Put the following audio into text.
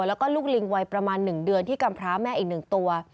แล้วก็ลูกลิงไวประมาณหนึ่งเดือนที่กรรมพระแม่อีกหนึ่งตัว